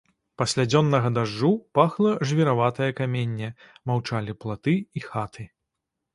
Пасля дзённага дажджу пахла жвіраватае каменне, маўчалі платы і хаты.